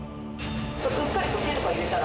うっかり手とか入れたら。